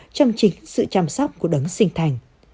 trong chính sự chăm sóc của đấng sinh thành